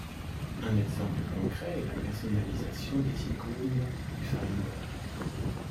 Un exemple concret est la personnalisation des icônes du Finder.